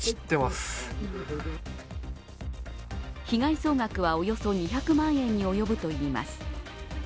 被害総額は、およそ２００万円に及ぶといいます。